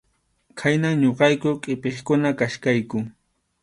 Khaynam ñuqayku qʼipiqkuna kachkayku.